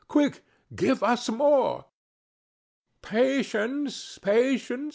Quick! give us more!" "Patience, patience!"